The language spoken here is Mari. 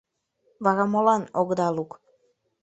— Вара молан огыда лук?